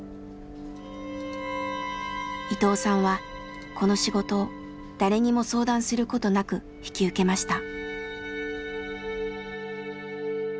伊藤さんはこの仕事を誰にも相談することなく引き受けました。